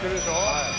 はい。